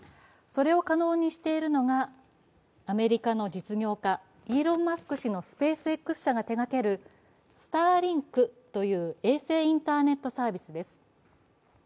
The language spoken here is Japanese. それを可能にしているのがアメリカの実業家、イーロン・マスク氏のスペースＸ社が手掛けるスターリンクという衛星インターネットサービスです。